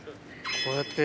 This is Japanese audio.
こうやって。